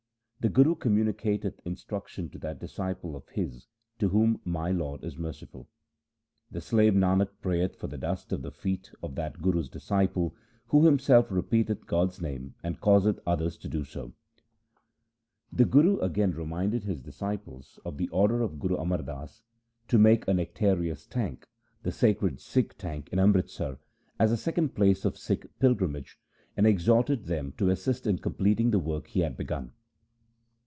The Guru communicateth instruction to that disciple of his to whom my Lord is merciful. The slave Nanak prayeth for the dust of the feet of that Guru's disciple who himself repeateth God's name and causeth others to do so. 2 The Guru again reminded his disciples of the order of Guru Amar Das to make a nectareous tank — the 1 Suraj Parkdsh, Ras II, Chapter 14. 2 Gauri ki War I. LIFE OF GURU RAM DAS 265 sacred Sikh tank in Amritsar — as a second place of Sikh pilgrimage, and exhorted them to assist in completing the work he had begun.